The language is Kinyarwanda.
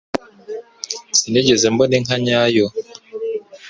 Sinigeze mbona inka nyayo.